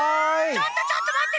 ちょっとちょっとまって！